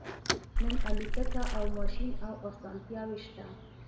نن الوتکه او ماشین او اسانتیاوې شته